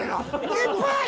いっぱい！